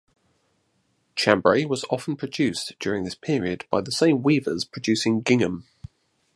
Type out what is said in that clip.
Chambray was often produced during this period by the same weavers producing gingham.